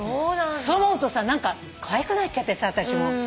そう思うとさ何かかわいくなっちゃってさ私も。